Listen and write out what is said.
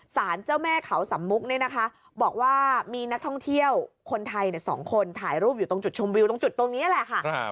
สารเจ้าแม่เขาสำมุกเนี่ยนะคะบอกว่ามีนักท่องเที่ยวคนไทย๒คนถ่ายรูปอยู่ตรงจุดชมวิวตรงจุดตรงนี้แหละค่ะ